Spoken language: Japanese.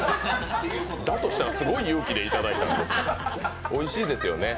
だとしたらすごい勇気でいただいたんだおいしいですよね。